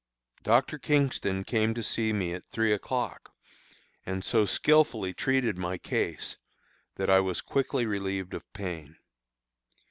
Dr. Kingston came to see me at three o'clock, and so skilfully treated my case, that I was quickly relieved of pain.